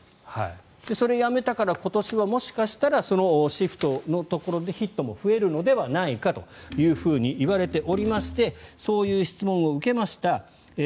それをやめたから今年はもしかしたらそのシフトのところでヒットも増えるのではないかといわれておりましてそういう質問を受けました。